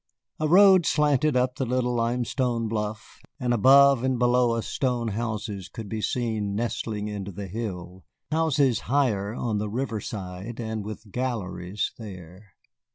A road slanted up the little limestone bluff, and above and below us stone houses could be seen nestling into the hill, houses higher on the river side, and with galleries there.